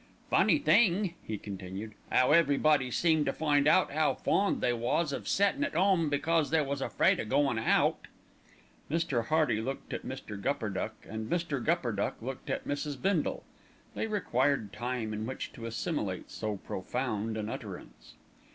"Funny thing," he continued, "'ow everybody seemed to find out 'ow fond they was of settin' at 'ome because they was afraid o' goin' out." Mr. Hearty looked at Mr. Gupperduck and Mr. Gupperduck looked at Mrs. Bindle. They required time in which to assimilate so profound an utterance.